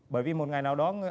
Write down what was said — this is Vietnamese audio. bởi vì một ngày nào đó